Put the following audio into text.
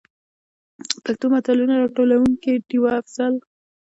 پښتو متلونو: راټولونکې ډيـوه افـضـل.